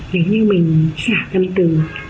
nếu như mình trả tâm từ